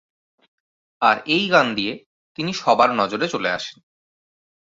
আর এই গান দিয়ে তিনি সবার নজরে চলে আসেন।